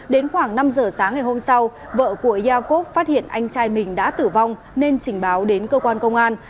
đến khoảng năm giờ sáng ngày hôm sau vợ của yakov phát hiện anh trai mình đã tử vong nên trình báo đến cơ quan công an